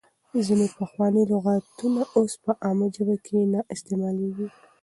ځینې پخواني لغاتونه اوس په عامه ژبه کې نه استعمالېږي.